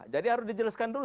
jadi harus dijelaskan dulu